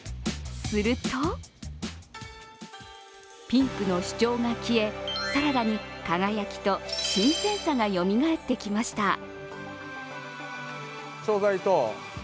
すると、ピンクの主張が消え、サラダに輝きと新鮮さがよみがえってきました。